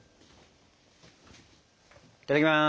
いただきます。